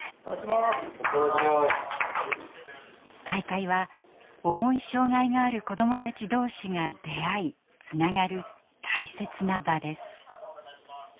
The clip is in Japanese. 大会は重い障害がある子どもたち同士が出会いつながる大切な場です。